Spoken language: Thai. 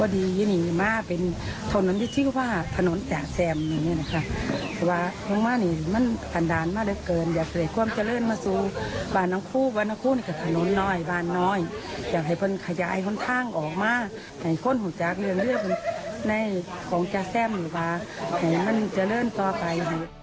ได้ของจาแซมหรือว่ามันจะเริ่มต่อไป